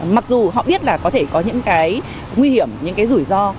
mặc dù họ biết là có thể có những cái nguy hiểm những cái rủi ro